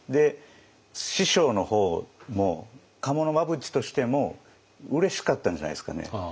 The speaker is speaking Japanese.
師匠の方も賀茂真淵としてもうれしかったんじゃないですかね。